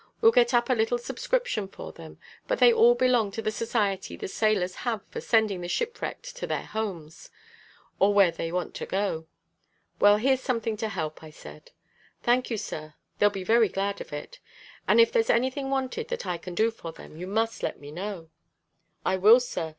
We'll get up a little subscription for them, but they all belong to the society the sailors have for sending the shipwrecked to their homes, or where they want to go." "Well, here's something to help," I said. "Thank you, sir. They'll be very glad of it." "And if there's anything wanted that I can do for them, you must let me know." "I will, sir.